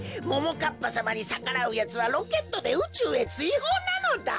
かっぱさまにさからうやつはロケットでうちゅうへついほうなのだ！